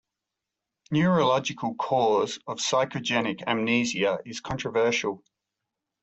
Neurological cause of psychogenic amnesia is controversial.